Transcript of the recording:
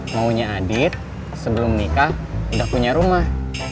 maunya adit sebelum nikah udah punya rumah